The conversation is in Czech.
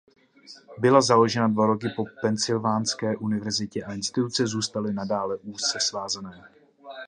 Byla založena dva roky po Pensylvánské univerzitě a instituce zůstaly nadále úzce svázané.